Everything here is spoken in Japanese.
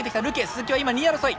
鈴木は今２位争い。